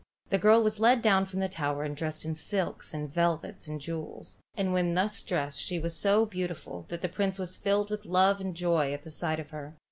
The girl was led down from the tower and dressed in silks and velvets and jewels, and when thus dressed she was so beautiful that the Prince was filled with love and joy at the sight of her.